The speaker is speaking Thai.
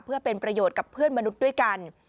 เพื่อเป็นประโยชน์กับเพื่อนมนุษย์ด้วยกัน